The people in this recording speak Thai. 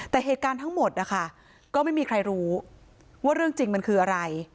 แต่เหตุการณ์ทั้งหมดนะคะก็ไม่มีใครรู้ว่าเรื่องจริงมันคืออะไร